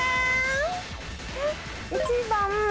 １番。